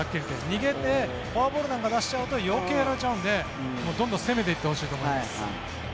逃げてフォアボールなんか出しちゃうと余計やられちゃうのでどんどん攻めていってほしいと思います。